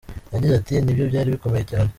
Yagize ati “Nibyo, byari bikomeye cyane.